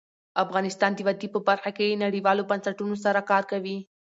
افغانستان د وادي په برخه کې نړیوالو بنسټونو سره کار کوي.